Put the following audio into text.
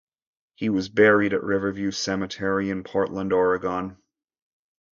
He was buried at River View Cemetery in Portland, Oregon.